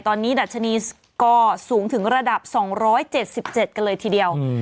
ตอนนี้ดัชนีก็สูงถึงระดับ๒๗๗กันเลยทีเดียว